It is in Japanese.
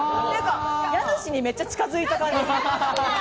家主にめっちゃ近づいた感じ。